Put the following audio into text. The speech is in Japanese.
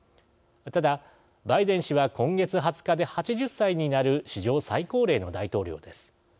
ただ、バイデン氏は今月２０日で８０歳になる史上、最高齢の大統領です。